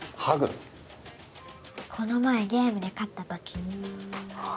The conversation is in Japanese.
この前ゲームで勝った時あ